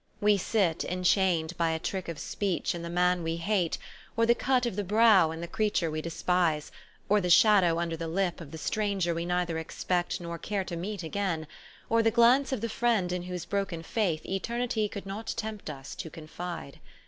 We sit enchained by a trick of speech in the man we hate, or the cut of the brow in the creature we despise, the shadow under the lip of the stranger we neither expect nor care to meet again, or the glance of the friend in whose broken faith eternity could not tempt us to confide.